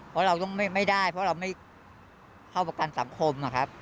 เพราะเราต้องไม่ได้เพราะเราไม่เข้าประกันสังคมนะครับ